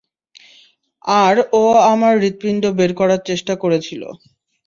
আর ও আমার হৃদপিন্ড বের করার চেষ্টা করেছিল।